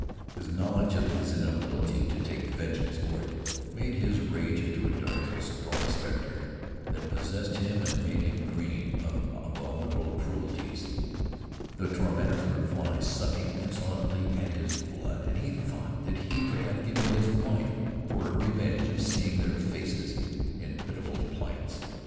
His knowledge of his inability to take vengeance for it made his rage into a dark and stormy specter, that possessed him and made him dream of abominable cruelties. The tormentors were flies sucking insolently at his blood, and he thought that he would have given his life for a revenge of seeing their faces in pitiful plights.